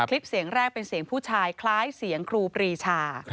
คลิปเสียงแรกเป็นเสียงผู้ชายคล้ายเสียงครูปรีชา